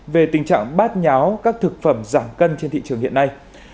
về tình trạng bát nháo các thực phẩm giảm cân trên thị trường hiện nay